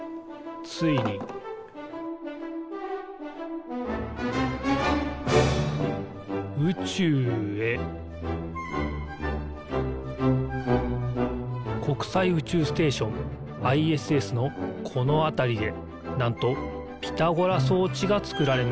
ついに宇宙へ国際宇宙ステーションＩＳＳのこのあたりでなんとピタゴラそうちがつくられました。